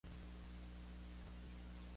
Todo contado por los propios protagonistas.